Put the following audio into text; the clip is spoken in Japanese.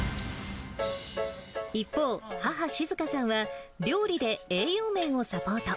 一方、母、静香さんは、料理で栄養面をサポート。